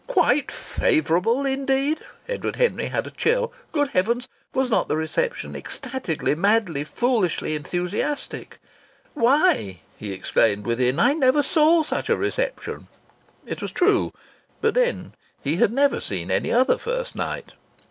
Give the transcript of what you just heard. "Quite favourable" indeed! Edward Henry had a chill. Good heavens, was not the reception ecstatically, madly, foolishly enthusiastic? "Why!" he exclaimed within, "I never saw such a reception!" It was true, but then he had never seen any other first night.